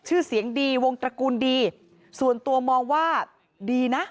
ชื่อเสียงดีวงตระกูลดีส่วนตัวมองว่าดีนะ